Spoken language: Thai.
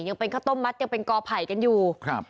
ยังเป็นข้าวต้มมัดยังเป็นกอไผ่กันอยู่ครับ